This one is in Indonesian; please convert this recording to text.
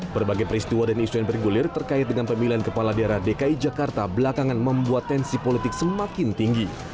berbagai peristiwa dan isu yang bergulir terkait dengan pemilihan kepala daerah dki jakarta belakangan membuat tensi politik semakin tinggi